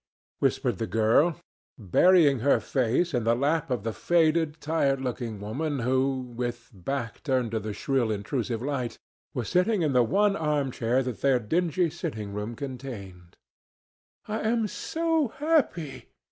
whispered the girl, burying her face in the lap of the faded, tired looking woman who, with back turned to the shrill intrusive light, was sitting in the one arm chair that their dingy sitting room contained. "I am so happy!"